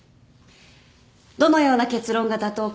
どのような結論が妥当か